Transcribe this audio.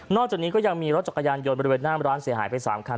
จากนี้ก็ยังมีรถจักรยานยนต์บริเวณหน้าร้านเสียหายไป๓คัน